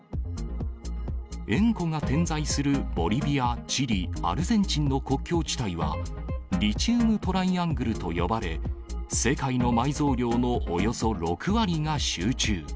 塩湖が点在するボリビア、チリ、アルゼンチンの国境地帯は、リチウムトライアングルと呼ばれ、世界の埋蔵量のおよそ６割が集中。